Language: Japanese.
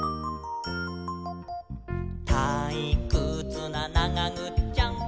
「たいくつなながぐっちゃん！！」